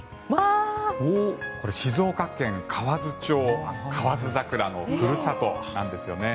これ、静岡県河津町カワヅザクラのふるさとなんですよね。